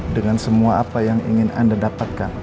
dengan semua apa yang ingin anda dapatkan